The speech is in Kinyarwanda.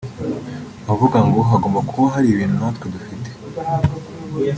Nkavuga ngo ‘hagomba kuba hari ibintu natwe dufite